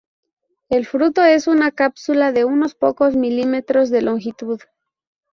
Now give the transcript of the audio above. El fruto es una cápsula de unos pocos milímetros de longitud.